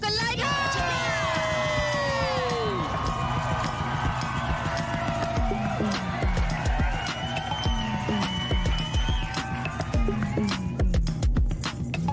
เชียว